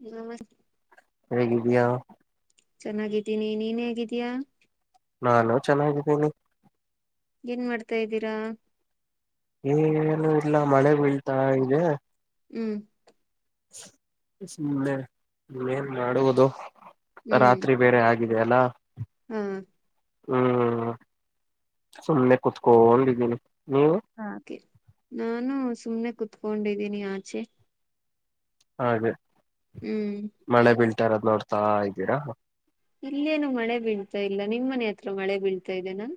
ನ [unintelligible] ಹೇಗಿದ್ದೀಯಾ? ಚೆನ್ನಾಗಿದ್ದೀನಿ ನೀನ್ ಹೇಗಿದ್ದೀಯಾ? ನಾನು ಚೆನ್ನಾಗಿದ್ದೀನಿ. ಏನ್ ಮಾಡ್ತಾ ಇದ್ದೀರಾ? ಏ ಏನು ಇಲ್ಲ ಮಳೆ ಬೀಳ್ತಾ ಇದೆ. ಹ್ಮ್, ೆೇನ್ [unintelligible] ಸುಮ್ಮನೆ ಎನ್ ಮಾಡುವುದು ಹ್ಮ್ ರಾತ್ರಿ ಬೇರೆ ಆಗಿ ದೆಯಲ್ಲಾ. ಹಾ [inaudible] ಹ್ಮ್, ಸುಮ್ಮನೆ ಕುತ್ಕೊಂಡೊಂಡಿದ್ದೀನಿ. ನೀವು ಹಾಗೆ ನಾನು ಸುಮ್ಮ್ನೆ ಕುತ್ಕೊಂಡಿದ್ದೀನಿ ಆಚೆ. ಹಾಗೆ ಹ್ಮ್, ಮಳೆ ಬೀಳ್ತಾಇರದ್ ನೋಡ್ತಾ ಇದ್ದೀರಾ ಇಲ್ಲೇನು ಮಳೆ ಬೀಳ್ತಾ ಇಲ್ಲ ನಿಮ್ ಮನೆ ಹತ್ರ ಮಳೆ ಬೀಳ್ತಾ ಇದೆನಾ?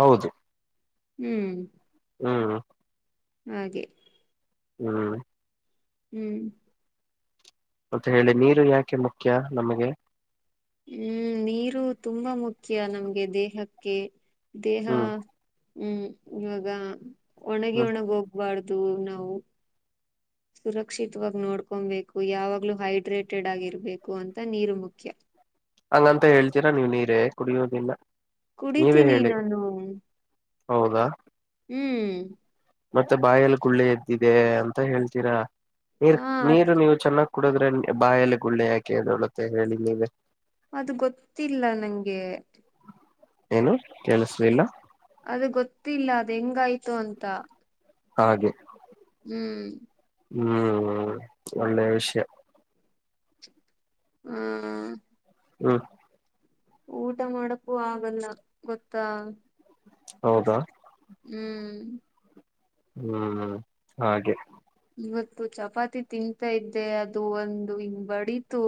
ಹೌದು, ಹ್ಮ್, ಹ್ಮ [unintelligible] ಹಾಗೆ ಹ್ಮ್, [unintelligible] ಹ್ಮ್, ಮತ್ತ ಹೇಳಿ ನೀರು ಯಾಕೆ ಮುಖ್ಯ ನಮಗೆ? ಹ್ಮ್, ನೀರು ತುಂಬಾ ಮುಖ್ಯ ನಮ್ಗೆ ದೇಹಕ್ಕೆ ದೇಹ ಹ್ಮ್ ಹ್ಮ್, ಇವಾಗ ಒಣಗಿ ಹ್ಮ್ ಒಣಗ ಹೋಗ್ಬಾರ್ದು ನಾವು. ಸುರಕ್ಷಿತವಾಗಿ ನೋಡ್ಕೊಬೇಕು ಯಾವಾಗ್ಲೂ ಹೈಡ್ರೇಟೆಡ್ ಆಗಿರ್ಬೇಕು ಅಂತ ನೀರು ಮುಖ್ಯ. ಹಂಗಂತ ಹೇಳ್ತೀರಾ ನೀವ್ ನೀರೇ ಕುಡಿಯೋದಿಲ್ಲ. ನೀವೇ ಕುಡಿತೀನಿ ಹೇಳಿ ನಾನು. ಹೌದಾ, ಹ್ಮ್, ಮತ್ತೆ ಬಾಯಲ್ಲಿ ಗುಳ್ಳೆ ಎದ್ದಿದೆ ಅಂತ ಹೇಳ್ತೀರಾ ನೀರ್ ಹಾ ಅದ್ ನೀರು ನೀವು ಚೆನ್ನಾಗಿ ಕುಡದ್ರೆ ಬಾಯಲ್ಲಿ ಗುಳ್ಳೆ ಯಾಕೆ ಎದ್ದೆಳುತ್ತೆ ಹೇಳಿ ನೀವೆ.? ಅದು ಗೊತ್ತಿಲ್ಲ ನಂಗೆ. ಏನು ಕೇಳಸಲಿಲ್ಲಾ.? ಅದು ಗೊತ್ತಿಲ್ಲ ಅದ ಹೆಂಗಾಯ್ತು ಅಂತ. ಹಾಗೆ. ಹ್ಮ್, ಹ್ಮ್ ಒಳ್ಳೆ ವಿಷ್ಯ. ಹಾ. ಹ್ಮ. ಊಟ ಮಾಡಕ್ಕೂ ಆಗಲ್ಲ ಗೊತ್ತಾ. ಹೌದಾ. ಹ್ಮ್. ಹ್ಮ್ ಹಾಗೆ. ಇವತ್ತು ಚಪಾತಿ ತಿಂತಾ ಇದ್ದೆ ಅದು ಒಂದು ಇಂಗ್ ಬಡಿತು.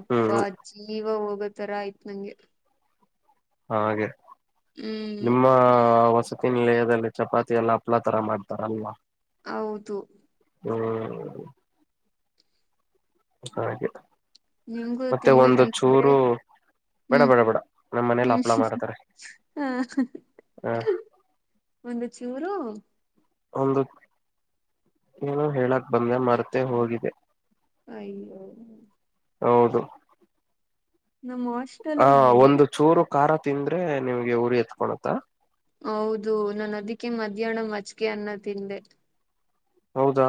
ಅಪ್ಪ ಹ್ಮ್ ಜೀವ ಹೋಗತರ ಆಯ್ತ್ ನಂಗೆ. ಹಾಗೆ ಹ್ಮ್ ನಿಮ್ಮ ಹೊಸ. [unintelligible] ದಲ್ಲಿ ಚಪಾತಿ ಎಲ್ಲ ಹಪ್ಳಾ ತರ ಮಾಡ್ತಾರಲ್ವ. ಹೌದು. ಹ್ಮ್. ಹಾಗೆ. ನಿಮ್ಗೂ ಮತ್ತೆ ಒಂದು ತಿನ್ಬೇಕನ್ಸಿದ್ರೆ. ಚೂರು ಬೇಡ ಹ್ಮ್ ಬೇಡ ಬೇಡ ನಮ್ಮ ಮನೇಲಿ ಹ್ಮ್ ಹಪ್ಳ ಮಾಡ್ತಾರೆ ಹ. ಹ ಒಂದು ಚೂರು. ಒಂದು [inaudible] ಏನೊ ಹೇಳಕ್ ಬಂದೆ ಮರ್ತೆ ಹೋಗಿದೆ. ಅಯ್ಯೋ. ಹೌದು. ನಮ್ ವಾಷ್. ಹಾ ಒಂದು ಚೂರು ಕಾರ ತಿಂದ್ರೆ ನಿಮ್ಗೆ ಊರಿ ಅತ್ಕೊಳುತ್ತ. ಹೌದು ನಾನ್ ಅದಿಕ್ಕೆ ಮಧ್ಯಾಹ್ನ ಮಜ್ಗೆ ಅನ್ನ ತಿಂದೆ. ಹೌದಾ.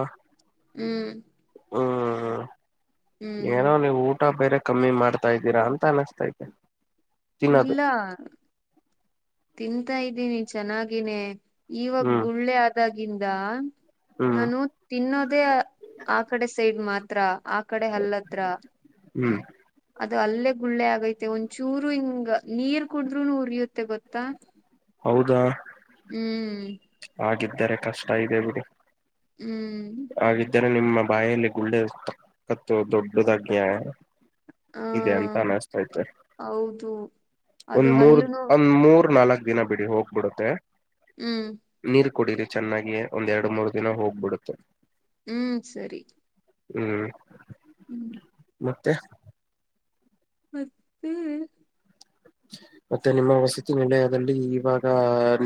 ಹ್ಮ್. ಹ್ಮ್ ಹ್ಮ್ ಏನಾ ನೀವ್ ಊಟ ಬೇರೆ. ಕಮ್ಮಿ ಮಾಡ್ತಾ ಇದ್ದೀರಾ ಅಂತ ಅನುಸ್ತೈತೆ. ಇಲ್ಲ. ತಿಂತಾ ಇದ್ದೀನಿ ಚೆನ್ನಾಗಿನೇ ಇವಾಗ್ ಹ್ಮ್ ಗುಳ್ಳೆ ಆದಾಗಿಂದ. ಹ್ಮ್ ನಾನು ತಿನ್ನೋದ ಆಕಡೆ ಸೈಡ್ ಮಾತ್ರ ಆಕಡೆ ಹಲ್ಲತ್ರ. ಹ್ಮ್. ಅದ ಅಲ್ಲೇ ಗುಳ್ಳೆ ಆಗೈತೆ ಒಂಚ್ಚುರು ಹಿಂಗ್ ನೀರ್ ಕುಡಿಡುದ್ರುನು ಉರಿಯುತ್ತೆ ಗೊತ್ತಾ. ಹೌದಾ. ಹ್ಮ್. ಹಾಗಿದ್ದಾರೆ ಕಷ್ಟ ಇದೆ ಬಿಡು. ಹ್ಮ್. ಹಾಗಿದ್ದರೆ ನಿಮ್ಮ ಬಾಯಲ್ಲಿ ಗುಳ್ಳೆ ತಕ್ಕತ್ತು ದೊಡ್ಡದಾಗ್ನ್ಯ. ಆ ಇದೆ ಅಂತ ಅನಸ್ತೈತೆ. ಹೌದು. ಅದು ಒಂದ್ ಮೂರ್ ಹಲ್ಲುನು ಒಂದ್ ಮೂರ್ ನಾಲ್ಕ್ ದಿನ ಬಿಡಿ ಹೋಗ್ಬುಡತ್ತೆ. ಹ್ಮ್. ನೀರ್ ಕುಡಿರಿ ಚೆನ್ನಾಗಿ ಒಂದ್ ಎರಡ್ ಮೂರ್ ದಿನ ಹೋಗ್ಬಿಡುತ್ತೆ. ಹ್ಮ್ ಸರಿ. ಹ್ಮ್. ಹ್ಮ್. ಮತ್ತೆ. ಮತ್ತೆ‌. ಮತ್ತೆ ನಿಮ್ಮ ವಸತಿ ನಿಲಯದಲ್ಲಿ ಇವಾಗ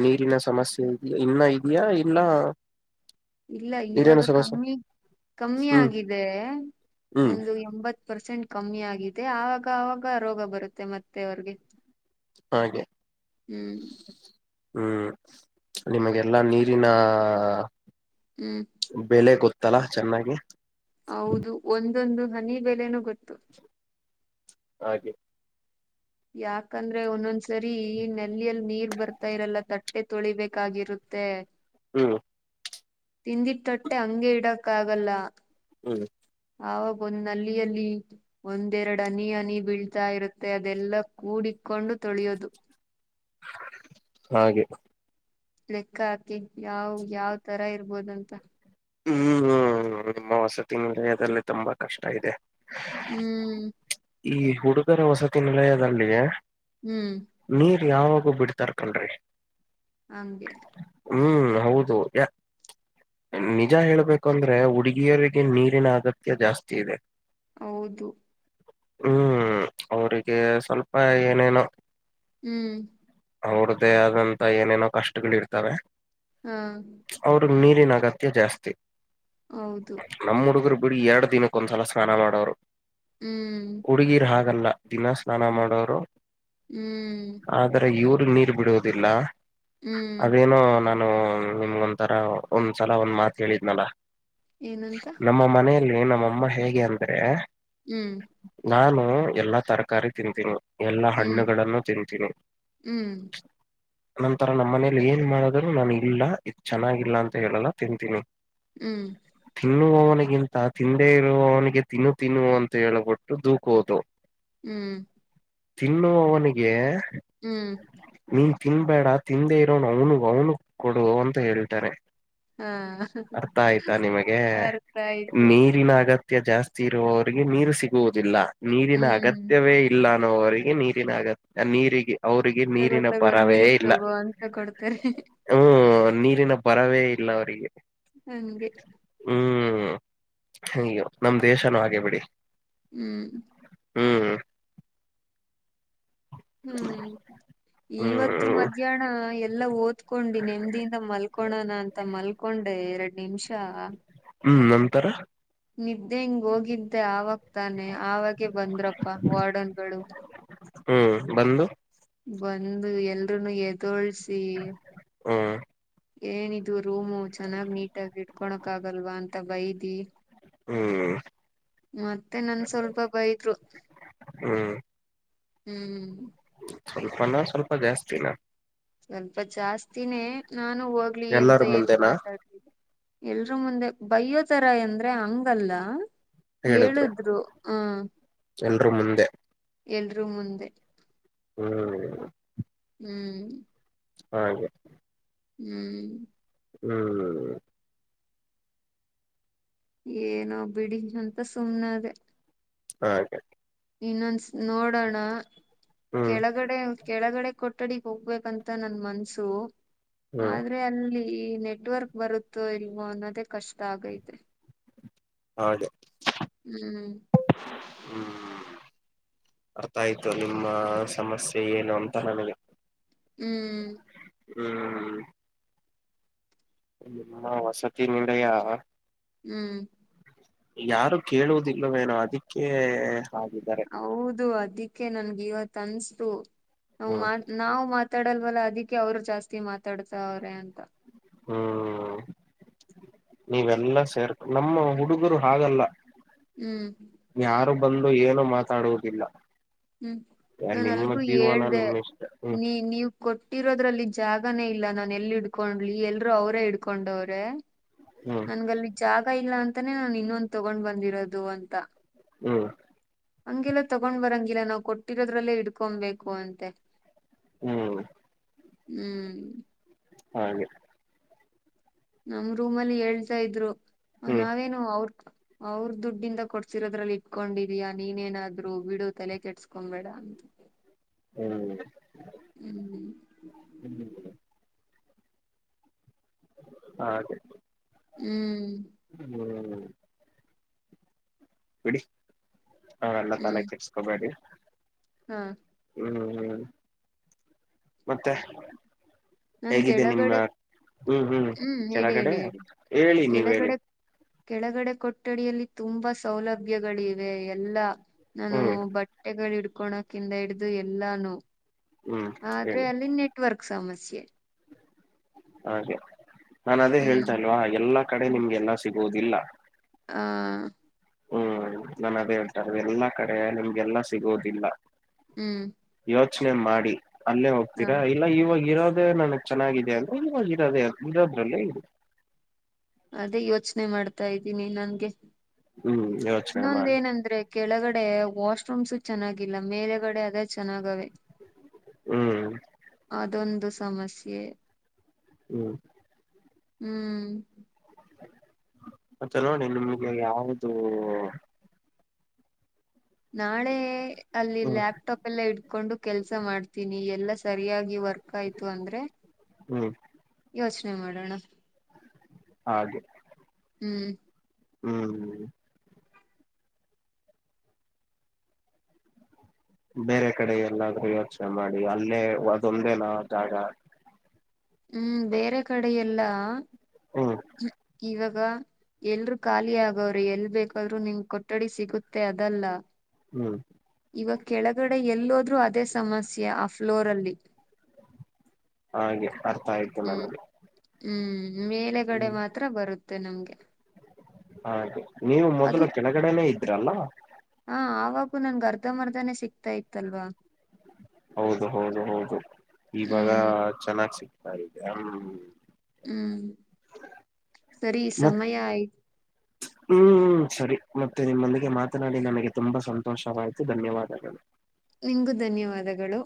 ನೀರಿನ ಸಮಸ್ಯೆ. ಇನ್ನ ಇದಯಾ ಇಲ್ಲ. [inaudible] ಇಲ್ಲ ಇವಾಗ ನೀರಿನ ಸಮಸ್ಯೆ ಕಮ್ಮಿ ಕಮ್ಮಿ ಹ್ಮ್ ಆಗಿದೆ ಹ್ಮ್ ಒಂದು ಎಂಬತ್ತು. ಪರ್ಸೆಂಟ್ ಕಮ್ಮಿ ಆಗಿದೆ ಆವಾಗ ಆವಾಗ ರೋಗ ಬರುತ್ತೆ ಮತ್ತೆ ಅವ್ರಿಗೆ. ಹಾಗೆ. ಹ್ಮ್. ಹ್ಮ್ ನಿಮಗೆಲ್ಲಾ ನೀರಿನ. ಹ್ಮ್. ಬೆಲೆ ಗೊತ್ತಲ್ಲಾ ಚೆನ್ನಾಗಿ. ಹೌದು ಒಂದೊಂದು ಹನಿ ಬೆಲೆನೂ ಗೊತ್ತು. ಹಾಗೆ. ಯಾಕಂದ್ರೆ ಒಂದೊಂದ್ಸರಿ ಈ ನೆಲ್ಲಿಯಲ್ಲಿ ನೀರ್ ಬರ್ತಾ ಇರಲ್ಲ ತಟ್ಟೆ ತೊಳಿಬೇಕಾಗಿರುತ್ತೆ. ತ್ತ [unintelligible] ಹ್ಮ್. ತಿಂದಿದ ತಟ್ಟೆ ಹಂಗೆ ಇಡಕ್ಕ ಆಗಲ್ಲ. ಹ್ಮ್. ಅವವಾಗ ಒಂದ್ ನಲ್ಲಿ ಅಲ್ಲಿ. ಒಂದೆರಡು ಅನಿ ಅನಿ ಬೀಳ್ತಾ ಇರುತ್ತೆ ಅದೆಲ್ಲ ಕೂಡಿಕೊಂಡು ತೊಳಿಯೋದು. ಹಾಗೆ. ಲೆಕ್ಕ ಹಾಕಿ ಯಾವ್ ಯಾವ್ ತರ ಇರ್ಬೋದಂತ. ಹ್ಮ್ ಹ್ಮ್ ನಿಮ್ಮ ವಸತಿ ನಿಲಯದಲ್ಲಿ ತುಂಬಾ ಕಷ್ಟ ಇದೆ. ಹ್ಮ್. ಈ ಹುಡುಗರ ವಸತಿ ನಿಲಯದಲ್ಲಿ. ಹ್ಮ್. ನೀರ್ ಯಾವಾಗೂ ಬಿಡ್ತಾರ್ ಕಣ್ರೀ. ಹಂಗೆ. ಹ್ಮ್ ಹೌದು ಯ ನಿ. ನಿಜ ಹೇಳ್ಬೇಕುಂದ್ರೆ ಹುಡುಗಿಯರಿಗೆ ನೀರಿನ ಅಗತ್ಯ ಜಾಸ್ತಿ ಇದೆ. ಹೌದು. ಹ್ಮ್ ಅವರಿಗೆ ಸ್ವಲ್ಪ ಏನೇನು. ಹ್ಮ್. ಅವ್ರದ್ದೇ ಆದಂತ ಏನೇನೋ ಕಷ್ಟಗಳ ಇರುತ್ತವೆ. ಹಾ. ಅವ್ರಗ್ ನೀರಿನ ಅಗತ್ಯ ಜಾಸ್ತಿ. ಹೌದು. ನಮ್ಮ ಹುಡುಗರು ಬಿಡು ಎರಡ್ ದಿನಕ್ಕ ಒಂದ್ಸಲ ಸ್ನಾನ ಮಾಡುತ್ತಾರೆ. ಹ್ಮ್. ಹುಡುಗೀರು ಹಾಗಲ್ಲ ದಿನ ಸ್ನಾನ ಮಾಡೋರು. ಹ್ಮ್ ಆದರ ಇವರು ನೀರ್ ಬಿಡೋುದಿಲ್ಲ ಹ್ಮ್ ಅದೇನೋ ನ. ನ ನಿಮ್ಗ ಒಂಂತರ ಒಂದ್ಸಲ ಒಂದ್ ಮಾತ ಹೇಳಿದ್ನಲ್ಲ. ಏನಂತ. ನಮ್ಮ ಮನೆಯಲ್ಲಿ ನಮ್ಮಮ್ಮ ಹೇಗೆ ಅಂದ್ರೆ ಹ್ಮ್, ನಾನು ಎಲ್ಲಾ ತರಕಾರಿ ತಿಂತೀನಿ. ಎಲ್ಲಾ ಹ್ಮ್ ಹಣ್ಣುಗಳನ್ನು ತಿಂತೀನಿ. ಹ್ಮ್ ನಂತರ ನಮ್ಮ್ ಮನೇಲಿ ಏನ್ ಮಾಡಿದ್ರುನು ನಾನು ಇಲ್ಲ ಚೆನ್ನಾಗಿಲ್ಲ ಅಂತ ಹೇಳಲ್ಲ ತಿಂತೀನಿ. ಹ್ಮ್, ತಿನ್ನುವವನಿಗಿಂತ ತಿಂದೇ ಇರುವವನಿಗೆ ತಿನ್ನು ತಿನ್ನು ಅಂತ ಹೇಳ್ಬಿಟ್ಟುದು [unintelligible] ದೂಕೋದು ಹ್ಮ್ ತಿನ್ನುವವನಿಗೆ ಹ್ಮ್ ನೀನ್ ತಿನ್ಬೇಡ ತಿಂದೇ ಇರೋನ್ ಅವನುಗ್ ಅವ್ನುಗ ಕೊಡು ಅಂತ ಹೇಳ್ತಾರೆ. ಹಾ ಅರ್ಥ ಆಯ್ತಾ ನಿಮಗೆ ಅರ್ಥ ಆಯ್ತು ನೀರಿನಗತ್ ಅಗತ್ಯ ಜಾಸ್ತಿ ಇರುವವರಿಗೆ ನೀರು ಸಿಗುವುದಿಲ್ಲ. ನೀರಿನ ಹ್ಮ್ ಅಗತ್ಯವೇ ಇಲ್ಲ ಅನ್ನೋವರಿಗೆ ನೀರಿನ ಅಗತ್ಯ ನೀರಿಗೆ ಅವರಿಗೆ ತಗೋ ನೀರಿನ ತಗೋ ಪರಾವೆಯೇ ನೀರ್ ಇಲ್ಲಾ. ತಗೋ ಅಂತ ಕೊಡ್ತಾರೆ ಹ್ಮ್, ನೀರಿನ ಪರವೇ ಇಲ್ಲ ಅವರಿಗೆ. ಹಂಗೆ ಹ್ಮ್, ಅಯ್ಯೋ! ನಮ್ ದೇಶನೂ ಹಾಗೆ ಬಿಡಿ. ಹ್ಮ್ ಹ್ಮ್ ಹ್ಮ್, ಇವತ್ತು ಹ್ಮ್ ಮಧ್ಯಾಹ್ನ ಎಲ್ಲಾ ಓದ್ ಕೊಂಡಿ ನೆಮ್ಮದಿಯಿಂದ ಮಲ್ಕೋಳೋಣ ಅಂತ ಮಲ್ಕೊಂಡೆ ಎರಡ್ ನಿಮಿಷ ಹ್ಮ್, ನಂತರ ನಿದ್ದೆ ಹಿಂಗ್ ಹೋಗಿದ್ದೆ ಆವಾಗ ತಾನೆ ಆವಾಗೆ ಬಂದ್ರಪ್ಪ ವಾರ್ಡನ್ಗಳು. ಹ್ಮ್, ಬಂದು ಬಂದು ಎಲ್ರುನು ಎದೋಳ್ಸಿ ಹ್ಮ [unintelligible] ಏನಿದು ರೂಮು ಚೆನ್ನಾಗ್ ನೀಟಾಗಿ ಇಟ್ಕೊಳಕ್ ಆಗಲ್ವಾ ಅಂತ ಬೈದಿ ಹ್ಮ್ ಮತ್ತೆ ನನ್ ಸ್ವಲ್ಪ ಬೈದ್ರು. ಹ್ಮ್‌ ಹ್ಮ್ ಸ್ವಲ್ಪನ ಸ್ವಲ್ಪ ಜಾಸ್ತಿನ ಸ್ವಲ್ಪ ಜಾಸ್ತಿನೇ ನಾನು ಹೋಗ್ಲಿ ಎಂತ ಎಲ್ಲರ ಏನು ಮುಂದೆನಾ ಮಾತಾಡ್ಲೀಲ್ಲ. ಎಲ್ರು ಮುಂದೆ ಬಯ್ಯೋ ತರ ಅಂದ್ರೆ ಹಂಗಲ್ಲಾ ಹೇಳಿದ್ರು ಹೇಳುದ್ರು ಹ, ಎಲ್ರೂ ಮುಂದೆ ಎಲ್ರು ಮುಂದೆ. ಹ್ಮ್ [unintelligible] ಹ್ಮ್ ಹಾಗೆ [unintelligible] ಹ್ಮ್ ಹ್ಮ್ [unintelligible] ಏನೋ ಬಿಡಿ ಅಂತ ಸುಮ್ನಾದೆ. ಹಾಗ [unintelligible] ಇನ್ನೊಂದಸ್ ನೋಡೋಣ ಹ್ಮ್ ಕೆಳಗಡೆ ಕೆಳಗಡೆ ಕೊಠಡಿಗ್ ಹೋಗ್ಬೇಕಂತ ನನ್ ಮನ್ಸು ಹ್ಮ್ ಆದ್ರೆ ಅಲ್ಲಿ ಈ ನೆಟ್ವರ್ಕ್ ಬರುತ್ತೋ ಇಲ್ವೋ ಅನ್ನೋದೇ ಕಷ್ಟ ಆಗೈತೆ. ಹೌದು ಹ್ಮ್ ಅರ್ಥ ಆಯ್ತು ನಿಮ್ಮ ಸಮಸ್ಯೆ ಏನು ಅಂತ ನನಗೆ ಹ್ಮ್ ಹ್ಮ್ ನಿಮ್ಮ ವಸತಿ ನಿಲಯ ಹ್ಮ್ ಯಾರು ಕೇಳುವುದಿಲ್ಲವೇನೋ ಅದಕ್ಕೆ ಆಗಿದ್ದಾರೆ ಹೌದು ಅದಿಕ್ಕೆ ನನ್ಗೆ ಇವತ್ ಅನ್ಸತು ನಾವ್ ಹ್ಮ್ ಮಾಡ್ ನಾವು ಮಾತಾಡಲ್ವಲ್ಲ ಅದಕ್ಕೆ ಅವರು ಜಾಸ್ತಿ ಮಾತಾಡ್ತವ್ರೆ ಅಂತ ಹ್ಮ್... ನೀವೆಲ್ಲಾ ಸೇರ್ಕ ನಮ್ಮ ಹುಡುಗರು ಹಾಗಲ್ಲ. ಹ್ಮ್ ಯಾರು ಬಂದು ಏನು ಮಾತಾಡುವುದಿಲ್ಲ. ಹ್ಮ್ ನನ್ ನಿಮ್ಮ ಅಲ್ಗು ಜೀವನ ಹೇಳದೇ ನಿಮ್ಮ ಇಷ್ಟ ಹ್ಮ್ ನೀ ನೀವ ಕೊಟ್ಟಿರೋದ್ರಲ್ಲಿ ಜಾಗನೇ ಇಲ್ಲ ನಾನ್ ಎಲ್ ಹಿಡ್ಕೊಂಡ್ಲಿ ಎಲ್ರು ಅವರೇ ಹಿಡ್ಕೊಂಡವ್ರೆ ಹ್ಮ್ ನನ್ಗಲ್ಲಿ ಜಾಗ ಇಲ್ಲ ಅಂತಾನೇ ನಾನ್ ಇನ್ನೊಂದು ತಗೊಂಡ್ ಬಂದಿರೋದು ಅಂತ ಹ್ಮ್ ಹಂಗೆಲ್ಲ ತಗೊಂಡ್ ಬರಂಗಿಲ್ಲ ನಾವು ಕೊಟ್ಟಿರೋದ್ರಲ್ಲೇ ಹಿಡ್ಕೊಬೇಕು ಅಂತೆ ಹ್ಮ್ ಹ್ಮ್ ಆ ಹಾಗೆ ನಮ್ ರೂಮ್ ಅಲ್ಲಿ ಹೇಳ್ತಾ ಇದ್ರು. ಹ್ಮ್ ನಾವೇನು ಅವ್ರ ಅವ್ರ ದುಡ್ಡಿಂದ ಕೊಡ್ಸಿರೋದ್ರಲ್ಲಿ ಇಟ್ಕೊಂಡಿದಯ ನೀನೇನಾದ್ರು. ಬಿಡು ತಲೆ ಕೆಟ್ಸ್ಕೊಬೇಡ ಅಂತ ಹ್ಮ್ ಹ್ಮ್್ಮ ಹ್ಞೂ [inaudible] ಹಾಗೇ? ಹ್ಮ್ ಹ್ಮ್ ಬಿಡಿ ಹಾ ಎಲ್ಲ ತಲೆ ಹ್ಮ್ ಕೆರ್ಸ್ಕೊಬೇಡಿ. ಹಾ ಹ್ಮ್ ಹ್ಮ್ ಮತ್ತೆ? ನನ್ ಹೇಗಿದೆ ನಿಮ್ಮ ಕೆಳಗಡೆ ಹ್ಮ್ ಹ್ಮ್ ಹೇಳಿ ಕೆಳಗಡೆ ಹೇಳಿ ಹೇಳಿ ಹೇಳಿ ನೀವ್ ಹೇಳಿ ಕೆಳಗಡೆ ಕೆಳಗಡೆ ಕೊಠಡಿಯಲ್ಲಿ ತುಂಬಾ ಸೌಲಭ್ಯಗಳಿವೆ. ಎಲ್ಲ ನಾನು ಹ್ಮ್ ಬಟ್ಟೆಗಳು ಹಿಡ್ಕೊಳಕಿಂದ ಹಿಡ್ದು ಎಲ್ಲಾನು ಹ್ಮ್ ಆದ್ರೆ ಹೇಳಿ ಅಲ್ಲಿ ನೆಟ್ವರ್ಕ್ ಸಮಸ್ಯೆ. ಹಾಗೆ ನಾನ್ ಅದೇ ಹ್ಮ್ ಹೇಳ್ತಾ ಇಲ್ವಾ ಎಲ್ಲಾ ಕಡೆ ನಿಮ್ಗೆಲ್ಲ ಸಿಗುವುದಿಲ್ಲ. ಆ... ಹ್ಮ್ ನಾನ ಅದೇ ಹೇಳ್ತಾರೆ. ಎಲ್ಲಾ ಕಡೆ ನಿಮ್ಗೆಲ್ಲಾ ಸಿಗೋದಿಲ್ಲ ಹ್ಮ್ ಯೋಚನೆ ಮಾಡಿ ಅಲ್ಲೇ ಹ ಹೋಗ್ತೀರಾ? ಇಲ್ಲ ಇವಾಗ ಇರೋದೇ ನನಗ್ ಚೆನ್ನಾಗಿದೆ ಅಂದ್ರೆ ಇವಾಗ ಇರೋದೆೇ ಇರೋದ್ರಲ್ಲೇ ಇರೀ ಅದೇ ಯೋಚನೆ ಮಾಡ್ತಾ ಇದ್ದೀನಿ. ನನ್ಗೆ ಹ್ಮ್ ಯೋಚನೆ ಇನ್ನೊಂದ ಮಾಡಿ ಏನಂದ್ರೆ ಕೆಳಗಡೆ ವಾಶ್ರೂಮ್ಸು ಚೆನ್ನಾಗಿಲ್ಲ ಮೇಲೆಗಡೆ ಆದ್ರೇ ಚೆನ್ನಾಗಿವೆ. ಹ್ಮ್ ಅದೊಂದು ಸಮಸ್ಯೆ. ಹ್ಮ್ [unintelligible] ಹ್ಮ್ ಮತ್ತೆ ನೋಡಿ ನಿಮ್ಗೆ ಯಾವ್ದೂ ನಾಳೆ ಅಲ್ಲಿ ಹ್ಮ್ ಲ್ಯಾಪ್ಟಾಪ್ ಎಲ್ಲ ಇಟ್ಕೊಂಡು ಕೆಲ್ಸ ಮಾಡ್ತೀನಿ ಎಲ್ಲಾ ಸರಿಯಾಗಿ ವರ್ಕ್ ಆಯ್ತು ಅಂದ್ರೆ ಹ್ಮ್ ಯೋಚನೆ ಮಾಡೋಣ. ಅದು [unintelligible] ಹ್ಮ್ ಹ್ಮ್ [inaudible] ಬೇರೆ ಕಡೆ ಎಲ್ಲಾದ್ರೂ ಯೋಚನೆ ಮಾಡಿ ಅಲ್ಲೇ ಅದೊಂದೇನ ಜಾಗ. ಹ್ಮ್, ಬೇರೆ ಕಡೆ ಎಲ್ಲಾಇವಾಗ ಹ್ಮ್ ಎಲ್ರು ಖಾಲಿ ಆಗವ್ರೆ ಎಲ್ ಬೇಕಾದ್ರು ನಿಮ್ ಕೊಠಡಿ ಸಿಗುತ್ತೆ ಅದೆಲ್ಲಾ ಹ್ಮ್ [unintelligible] ಇವಗ ಕೆಳಗಡೆ ಎಲ್ಲೋದ್ರು ಅದೇ ಸಮಸ್ಯೆ ಆ ಫ್ಲೋರ್ ಅಲ್ಲಿ. ಹಾಗೆ ಅರ್ಥ ಆಯ್ತು. ಹ್ಮ್, ನನಗೆ ಹ್ಮ್ ಮೇಲೆಗಡೆ ಹ್ಮ್ ಮಾತ್ರ ಬರುತ್ತೆ ನಮ್ಗೆ. ಹಾಗೆ ನೀವು ಅದು ಮೊದಲು ಕೆಳಗಡೆನೇ ಇದ್ರಲ್ಲಾ. ಹಾ ಆವಾಗೂ ನನ್ಗೆ ಅರ್ಧ ಮರ್ಧನೇ ಸಿಗ್ತಾ ಇತ್ತಲ್ವಾ. ಹೌದು ಹೌದು ಹೌದು ಇವಾಗ ಹ್ಮ್ ಚೆನ್ನಾಗಿ ಸಿಗ್ತಾ ಇದೆ. [unintelligible] ಹ ಹ್ಮ್, ಸರಿ ಮತ್ ಸಮಯ ಆಯ್ತು. ಹ್ಮ್, ಸರಿ ಮತ್ತೆ ನಿಮ್ಮೊಂದಿಗೆ ಮಾತನಾಡಿ ನನಗೆ ತುಂಬಾ ಸಂತೋಷವಾಯ್ತು ಧನ್ಯವಾದಗಳು. ನಿಮಗೂ ಧನ್ಯವಾದಗಳು.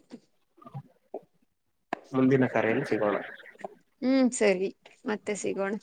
ಮುಂದಿನ ಕರೆಯಲ್ಲಿ ಸಿಗೋಣ. ಹ್ಮ್, ಸರಿ ಮತ್ತೆ ಸಿಗೋಣ.